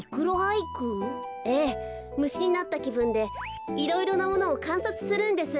むしになったきぶんでいろいろなものをかんさつするんです。